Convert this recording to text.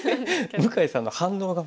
向井さんの反応が「わあ！」